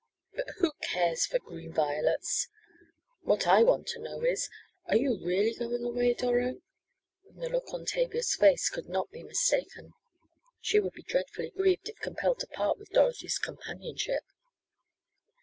But who cares for green violets? What I want to know is, are you really going away, Doro?" and the look on Tavia's face could not be mistaken. She would be dreadfully grieved if compelled to part with Dorothy's companionship.